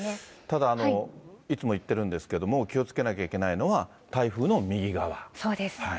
ただ、いつも言ってるんですけども、気をつけなきゃいけないそうです。